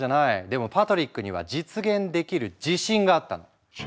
でもパトリックには実現できる自信があったの。